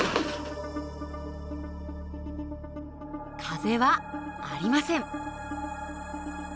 風はありません。